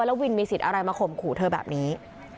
แล้ววินมีสิทธิ์อะไรมาข่มขู่เธอแบบนี้